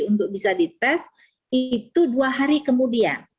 untuk bisa dites itu dua hari kemudian